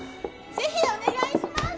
ぜひお願いします！